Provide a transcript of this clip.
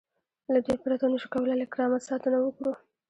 له دوی پرته نشو کولای له کرامت ساتنه وکړو.